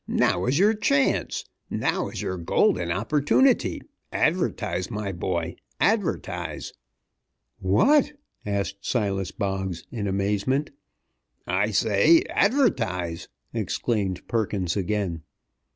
Now is your chance! Now is your golden opportunity! Advertise, my boy, advertise!" "What?" asked Silas Boggs, in amazement. "I say advertise!" exclaimed Perkins again.